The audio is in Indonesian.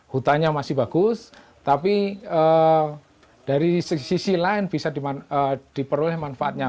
hutannya masih bagus tapi dari sisi lain bisa diperoleh manfaatnya